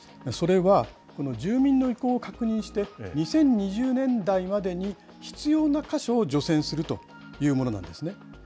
それは、この住民の意向を確認して、２０２０年代までに、必要な箇所を除染するというものなんですね。